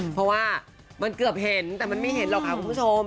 เพราะว่ามันเกือบเห็นแต่มันไม่เห็นหรอกค่ะคุณผู้ชม